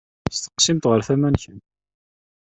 Steqsimt ɣer tama-nkent.